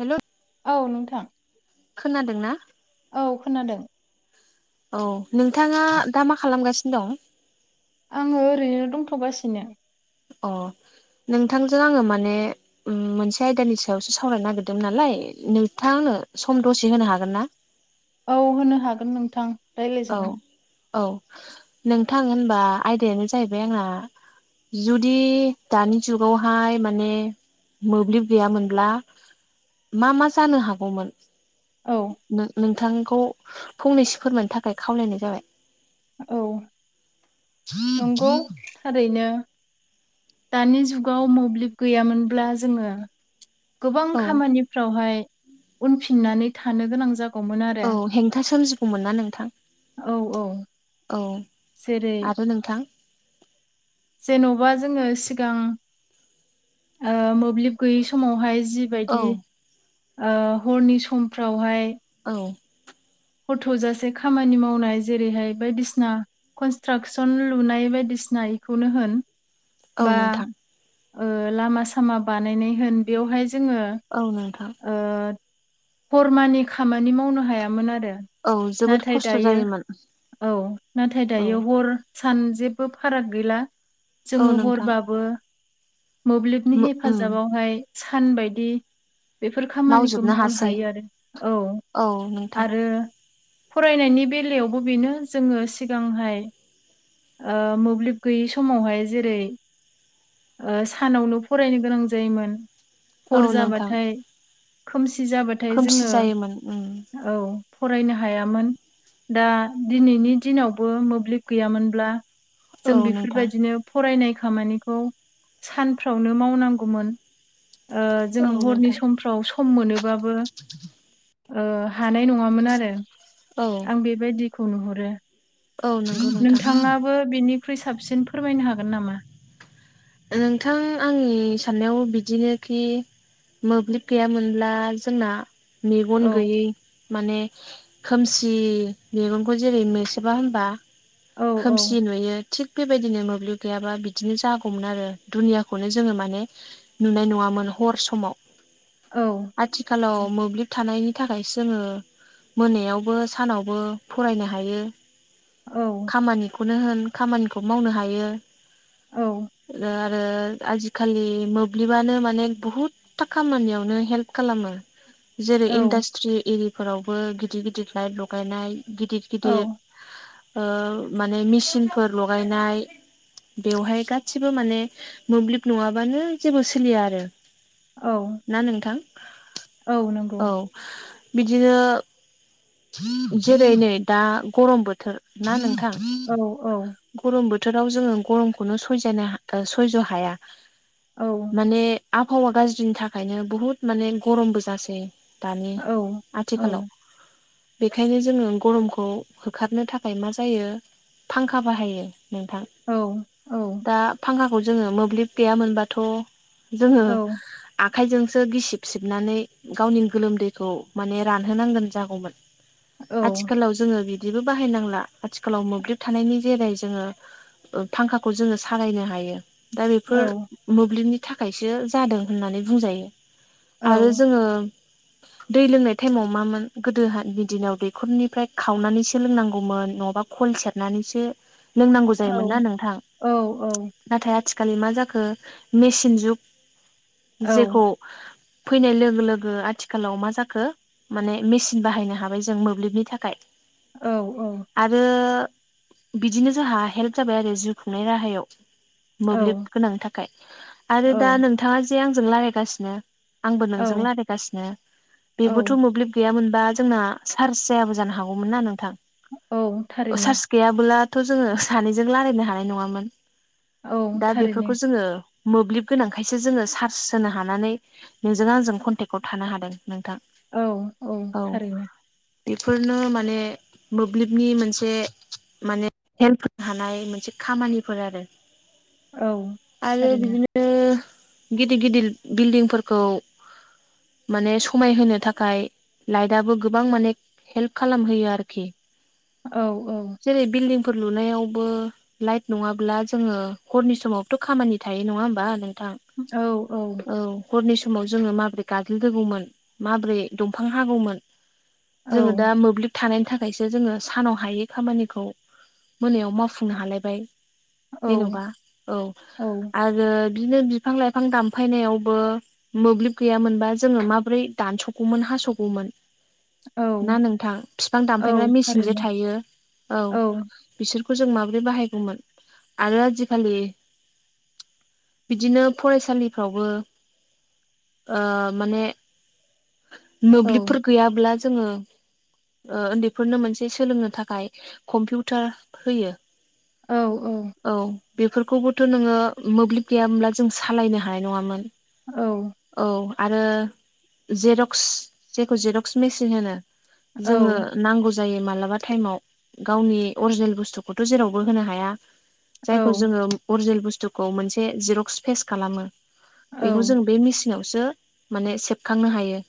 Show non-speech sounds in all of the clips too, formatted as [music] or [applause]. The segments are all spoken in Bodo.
हेलौ औ नोंथां खोनादों ना? औ खोनादों औ नोंथाङा दा मा खालामगासिनो दं? आङो ओरैनो दंथ'गासिनो अ नोंथांजो आङो माने ओम मोनसे आयदानि सायावसो सावरायनो नागिरदोंमोन नालाय नोंथाङा आंनो सम दसे होनो हागोन ना औ होनो हागोन नोंथां औ रायलायजागोन औ नोंथां होनबा आयदायानो जाहैबाय आंना जुदि दानि जुगावहाय माने मोब्लिब गैयामोनब्ला मा मा जानो हागौमोन औ नो-नोंथांखौ फंनैसो फोरमायनो थाखाय खावलायनाय जाबाय औ नोंगौ थारैनो दानि जुगाव मोब्लिब गैयामोनब्ला जोङो गोबां औ खामानिफ्रावहाय उनफिननानै थानो गोनां जा औ हेंथा सोमजिगौमोन ना नोंथां औ औ औ जेरै आरो नोंथां जेनबा जोङो सिगां ओ मोब्लिब गैयै समावहाय जि बायदि औ ओ हरनि समफ्रावहाय औ हर थौजासे खामानि मावनाय जेरैहाय बायदिसिना कनस्ट्राकसन लुनाय बायदिसिना इखौनो होन औ बा नोंथां ओ लामा सामा बानायनाय होन बेयावहाय जोङो औ नोंथां ओ हरमानि खामानि मावनो हायामोन आरो औ जोबोद नाथाय खस्थ' दायो जायोमोन औ नाथाय औ दायो हर सान जेबो फाराग गैला जों नोंथां हरबाबो मोब्लिबनि उम हेफाजाबावहाय सान बायदि बेफोर खामानिखौ मावजोबनो मावनो हासै हायो आरो औ आरो फरायनायनि बेलायावबो बेनो जोङो सिगांहाय ओ मोब्लिब गैयै समावहाय जेरै ओ सानावनो फरायनो गोनां जायोमोन औ हर नोंथां जाबाथाय खोमसि जाबाथाय खोमसि जोङो जायोमोन उम औ फरायनो हायामोन। दा दिनैनि दिनावबो मोब्लिब गैयामोनब्ला औ जों नोंथां बेफोरबायदिनो फरायनाय खामानिखौ सानफ्रावनो मावनांगौमोन ओ औ जोङो हरनि नोंथां सम फ्राव सम मोनोबाबो ओ हानाय नङामोन आरो औ आं बे बायदिखौ नुहरो औ नंगौ नोंथां नोंथाङाबो बिनि ख्रुइ साबसिन फोरमायनो हागोन नामा? नोंथां आंनि साननायाव बिदिनोखि मोब्लिब गैयामोनब्ला जोंना मेगन औ गोयि माने खोमसि मेगनखौ जेरै मोसेबा होनबा औ औ खोमसि नुयो थिग बेबायदिनो मोब्लिब गैयाबा बिदिनो जा‌ गौमोन आरो दुनियाखौनो जोङो माने नुनाय नङामोन हर समाव। औ आथिखालाव मोब्लिब थानायनि थाखाय जोङो मोनायावबो सानावबो फरायनो हायो। औ खामानिखौनो होन खामानिखौ मावनो हायो। औ आरो आजिखालि मोब्लिबानो माने बुहुत था खामानियावनो हेल्प खालामो। जेरै औ इन्डासट्रि एरिफोरावबो गिदिर गिदिर लाइट लगायनाय गिदिर गिदिर औ ओ माने मेसिनफोर लगायनाय बेवहाय गा गासिबो माने मोब्लिब नङाबानो जेबो सोलिया आरो। औ ना नोंथां औ नंगौ औ। बिदिनो जेरै नै दा गरम बोथोर ना नोंथां औ औ गरम बोथोराव जोङो गरमखौनो स यजानो सयजनो हाया। औ। माने आबहावा गाज्रिनि थाखायनो बुहुत माने गरमबो जासै दानि औ औ आथिखालाव बेखायनो जोङो गरमखौ होखारनो थाखाय मा जायो फांखा बाहायो नोंथां। औ औ दा फांखाखौ जोङो मोब्लिब गैयामोनबाथ' जोङो औ आखाइजोंसो गिसिब सिबनानै गावनि गोलोमदैखौ माने रानहोनांगोन जागौमोन औ आथिखालाव जोङो बिदिबो बाहायनांला आखिखालाव मोब्लिब थानायनि जोरै जोङो फांखाखौ जोङो सालायनो हायो दा औ बेफोर मोब्लिबनि थाखायसो जादों होननानै बुंजायो आरो जोङो दै लोंनाय टाइमाव मामोन गोदोहाय दिनाव दैखरनिफ्राय खावनानैसो लोंनांगौमोन नङाबा कल सेरनानैसो लोंनांगौ जायोमोन ना नोंथां। औ औ नाथाय आथिखाल मा जाखो मेसिन जुग औ जेखौ फैनाय लोगो लोगो आथिखालाव मा जाखो माने मेसिन बाहायनो हाबाय जों मोब्लिबनि थाखाय औ औ आरो बिदिनो जोंहा हेल्प जाबाय आरो जिउ खुंनाय राहायाव मोब्लिब गोनांनि थाखाय आरो दा नोंथाङा जे आंजों रायलायगासिनो आंबो नोंजों रायलायगासिनो औ औ बेबोथ मोब्लिब गैयामोनबा जोंना चार्ज जायाबो जानो हागौमोन ना नोंथां औ थारैनो चार्ज गैयाबोलाथ जोङो सानैजों रायलायनो हानाय नङामोन औ दा थारैनो बेफोरखौ जोङो मोब्लिब गोनांखायसो जोङो सार्स होनो हानानै नोंजों आंजों कनटेक्टआव थानो हादों नोंथां औ औ थारैनो बेफोरनो माने मोब्लिबनि मोनसे माने हेल्प होनो हानाय मोनसे खामानिफोर आरो औ आरो थारैनो बिदिनो गिदिर गिदिर बिल्डिंफोरखौ माने समायहोनो थाखाय लाइटआबो गोबां माने हेल्प खालामहोयो आरोखि औ औ जेरै बिलदिंफोर लुनायावबो लाइट नङाब्ला जोङो हरनि समावथ खामानि थायो नङा होमबा नोंथां औ औ औ हरनि समाव जोङो माबोरै गाजोल दोगौमोन माबोरै दंफां हागौमोन जोङो दा मोब्लिब थानायनि थाखायसो जोङो सानाव हायै खामानिखौ मोनायाव मावफुंनो हालायबाय जेनबा औ औ आरो बिदिनो बिफां लाइफां दामफायनायावबो मोब्लिब गैयामोनबा जोङो माबोरै दानसगौमोन हासगौमोन औ ना नोंथां बिफां औ दानफायग्रा मेचिनजे थारैनो थायो औ बिसोरखौ जों माबोरै बाहायगौमोन आरो आजिखालि बिदिनो फरायसालिफ्रावबो ओ माने औ मोब्लिबफोर गैयाब्ला जोङो ओन्दैफोरनो मोनसे सोलोंनो थाखाय कम्पिउटार होयो औ औ औ बेफोरखौबोथ नोङो मोब्लिब गैयामोनब्ला जों सालायनो हानाय नङामोन औ औ आरो जेरक्स जेखौ जिरक्स मेसिन होनो औ जोङो नांगौ जायो मालाबा टाइमाव गावनि अरिजिनेल बुस्थुखौथ जेरावबो होनो हाया औ जायखौ जोङो अरिजिनेल बुस्थुखौ मोनसे जेरक्स फेस खालामो बेखौ औ जों बे मेचिनावसो माने सेबखांनो हायो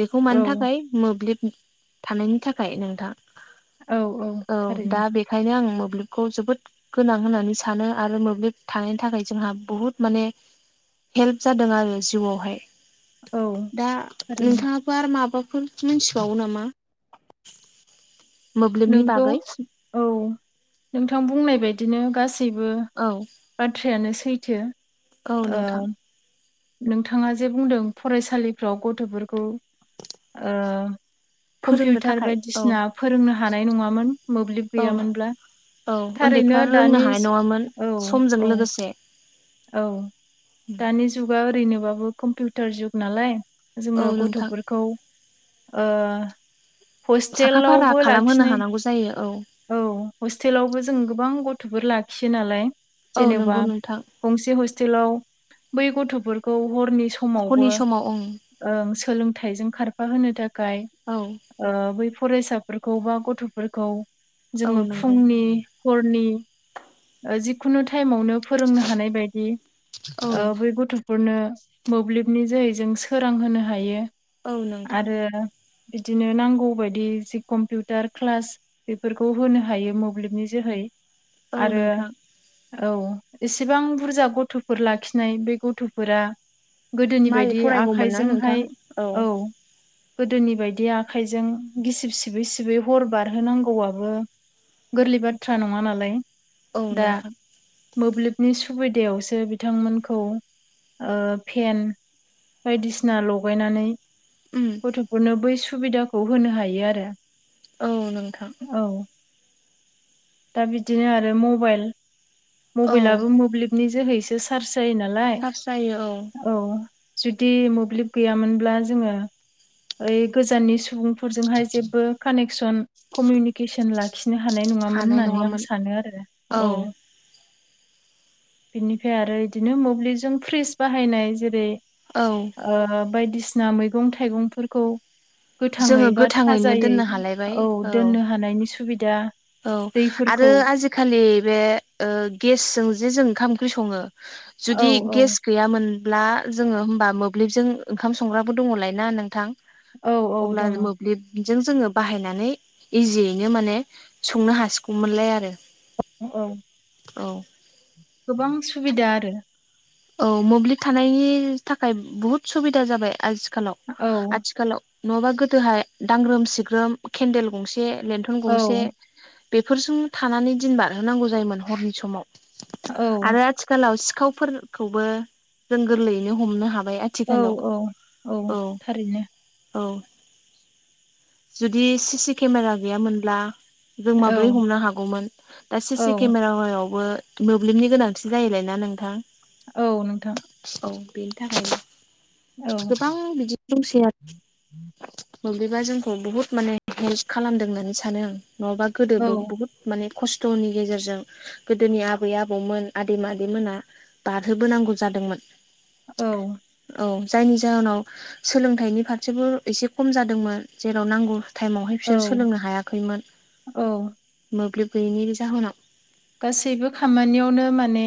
बेखौ मानो औ थाखाय मोब्लिब थानायनि थाखाय नोंथां औ औ दा थारैनो बे खायनो आं मोब्लिबखौ जोबोद गोनां होननानै सानो आरो मोब्लिब थानायनि थाखाय जोंहा बुहुत माने हेल्प जादों आरो जिउआवहाय औ दा थारैनो नोंथाङा आरो माबाफोर मिथिबावो नामा मोब्लिबनि नोंगौ बागै औ नोंथां बुंनाय बायदिनो गासैबो औ बाथ्रायानो सैथो औ ओ नोंथां नोंथाङा जे बुंदों फरायसालिफ्राव गथफोरखौ ओ फोरोंनो कम्पिउटार थाखाय औ बायदिसिना फोरोंनो हानाय नङामोन मोब्लिब औ गैयामोनब्ला औ उन्दैफ्रा थारैनो रोंनो दानि हानाय नङामोन औ समजों औ लोगोसे औ दानि जुगा ओरैनोबाबो कम्पिउटार जुग नालाय औ जोङो नोंथां गथ'फोरखौ ओ साखा फारा हस्टेलावबो खालामहोनो लाखिनो हानांगौ जायो औ औ हस्टेलावबो जों गोबां गथ'फोर लाखियो नालाय औ नंगौ जेनेबा नोंथां गंसे हस्टेलाव बै गथ'फोरखौ हरनि हरनि समावबो समाव ओं ओं सोलोंथाइजों खारफाहोनो थाखाय औ ओ बै फरायसाफोरखौ बा गथ'फोरखौ औ जोङो नंगौ फुंनि हरनि ओ जिखुनु टाइमावनो फोरोंनो हानाय बायदि औ ओ बै गथ' फोरनो मोब्लिबनि जोहै जों सोरांहोनो हायो औ नोंथां आरो बिदिनो नांगौ बायदि जि कम्पिउटार क्लास बेफोरखौ होनो हायो मोब्लिबनि जोहै औ आरो नोंथां औ एसेबां बुरजा गथ'फोर लाखिनाय बे गथ'फोरा गोदोनि मारै बायदि फरायगौमोन ना नोंथां आखायजोंहाय औ गोदोनि बायदि आखायजों गिसिब सिबै सिबै हर बारहोनांगौआबो गोरलै बाथ्रा नङा नालाय औ दा नोंथां मोब्लिबनि सुबिदायावसो बिथांमोनखौ फेन बायदिसिना लगायनानै उम गथ'फोरनो बै सुबिदाखौ होनो हायो आरो औ नोंथां औ दा बिदिनो आरो मबाइल औ मबाइलाबो मोब्लिब नि जोहैसो चार्ज जायो नालाय सार्स जायो औ जुदि मोब्लिब गैयामोनब्ला जोङो ओइ गोजाननि सुबुं फोरजोंहाय जेबो कानेक्सन कमिउनिकेसन लाखिनो हानाय नङामोन होननानै आं सानो आरो। औ बिनिफ्राय आरो इदिनो मोब्लिबजों फ्रिज बाहायनाय जेरै औ बायदिसिना मैगं थाइगंफोरखौ गोथाङै जोङो बा गोथाङैनो थाजायै दोननो हालायबाय औ दोननो हानायनि सुबिदा औ आरो दैफोरखौ आजि खालि बे ओ गेसजों जे जों ओंखाम ओंख्रि सङो औ जुदि औ गेस गैयामोनब्ला जोङो होमबा मोब्लिबजों ओंखाम संग्राबो दङलायना नोंथां औ औ अब्ला दङ मो ब्लिबजों जोङो बाहायनानै इजियैनो माने संनो हासिगौमोनलाय आरो। [inaudible] औ औ गोबां सुबिदा आरो औ मोब्लिब थानायनि थाखाय बुहुद सुबिदा जाबाय औ आजिखालाव आथिखालाव नङाबा गोदोहाय दांग्रोम सिग्रोम केन्देल गंसे लेन टन औ गंसे बेफोरजोंनो थानानै दिन बारहोनांगौ जायोमोन हरनि समाव औ आरो आथिखालाव सिखावफोरखौबो जों गोरलैयैनो हमनो हाबाय औ औ थिखालाव औ औ जुदि सिसि केमेरा गैयामोनब्ला जों औ माब्रै हमनो हागौमोन दा औ सिसि केमेरायावबो मोब्लिबनि गोनांथि जायोलायना नोंथां औ नोंथां औ बेनि थाखायनो औ गोबां बिदि दंसै आरो मोब्लिबा जोंखौ बुहुत माने हेल्प खालामदों होननानै सानो आं। नङाबा गोदोबो औ बुहुद माने खस्थ'नि गेजेरजों गोदोनि आबै आबौमोन आदै मादैमोना। बारहोबोनांगौ जादोंमोन। औ। औ जायनि जाहोनाव सोलोंथाइनि फारसेबो एसे खम जादोंमोन जेराव नांगौ। टाइमावहाय बिसोर औ सोलोंनो हायाखैमोन औ मोब्लिब गैयैनि जाहोनाव। गासैबो खामानियावनो माने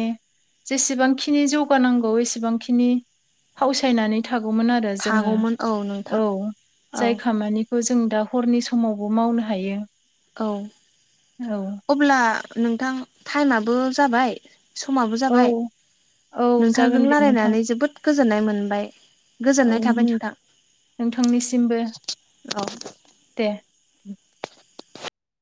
जेसेबांखिनि जौगानांगौ एसेबांखिनि फावसायनानै थागौमोन आरो जोङो थागौमोन औ नोंथां औ औ जाय खामानि जों दा हरनि समावबो मावनो हायो। औ औ अब्ला नोंथां टाइमाबो जाबाय। समाबो औ जाबाय। औ नोंथांजों जागोन दे नोंथां रायलायनानै जोबोद गोजोननाय मोनबाय गोजोननाय थाबाय नोंथां। नोंथांनिसिमबो औ दे।